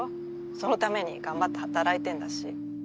そのために頑張って働いてんだし。